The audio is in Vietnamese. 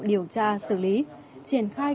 điều tra xử lý triển khai